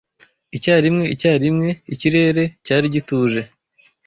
icyarimwe icyarimwe ikirere cyari gituje